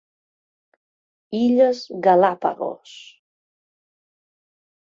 Illes Galápagos.